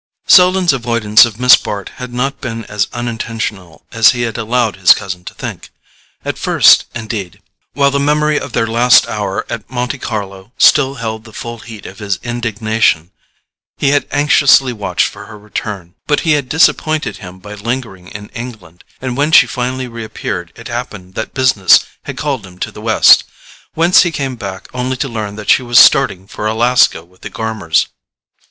Selden's avoidance of Miss Bart had not been as unintentional as he had allowed his cousin to think. At first, indeed, while the memory of their last hour at Monte Carlo still held the full heat of his indignation, he had anxiously watched for her return; but she had disappointed him by lingering in England, and when she finally reappeared it happened that business had called him to the West, whence he came back only to learn that she was starting for Alaska with the Gormers.